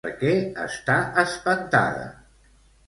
Per què està espantada?